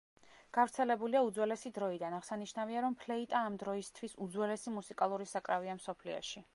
გავრცელებულია უძველესი დროიდან, აღსანიშნავია, რომ ფლეიტა ამ დროისთვის უძველესი მუსიკალური საკრავია მსოფლიოში.